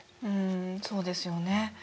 うんそうですよね。